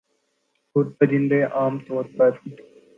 اورپرندے عام طور پر